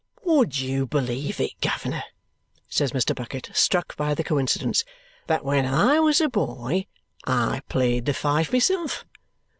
"Would you believe it, governor," says Mr. Bucket, struck by the coincidence, "that when I was a boy I played the fife myself?